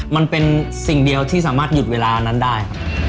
มันเป็นสิ่งเดียวที่สามารถหยุดเวลานั้นได้ครับ